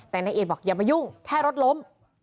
แต่นายเอดบอกอย่ามายุ่งแค่รถล้ม